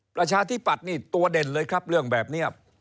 ประชาธิปัตย์นี่ตัวเด่นเลยครับเรื่องแบบนี้